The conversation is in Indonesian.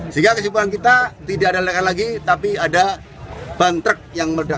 sehingga kesimpulan kita tidak ada ledakan lagi tapi ada bantruk yang meletus